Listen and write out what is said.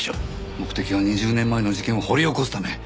目的は２０年前の事件を掘り起こすため。